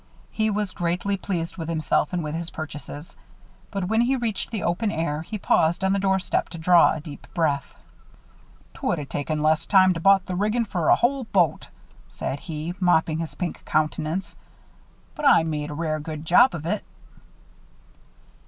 He was greatly pleased with himself and with his purchases. But when he reached the open air, he paused on the doorstep to draw a deep breath. "'Twould a taken less time to bought the riggin' fer a hull boat," said he, mopping his pink countenance. "But I made a rare good job of it."